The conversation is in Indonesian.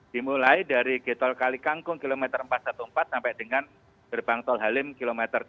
dimulai dari gtol kalikangkung km empat ratus empat belas sampai dengan gerbang tol halim km empat ratus empat belas